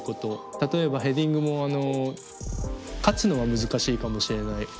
例えばヘディングも勝つのは難しいかもしれないおっきい選手に。